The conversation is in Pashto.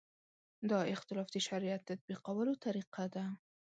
دا اختلاف د شریعت تطبیقولو طریقه ده.